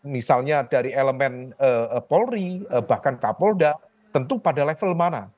misalnya dari elemen polri bahkan kapolda tentu pada level mana